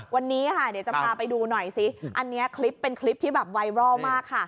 วันนี้ค่ะเดี๋ยวจะพาไปดูหน่อยซิอันนี้คลิปเป็นคลิปที่แบบไวรัลมากค่ะ